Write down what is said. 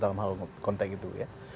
dalam hal konteks itu